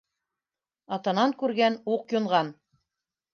Атанан күргән - уҡ юнған.